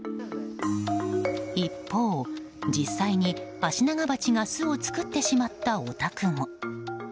一方、実際にアシナガバチが巣を作ってしまったお宅も。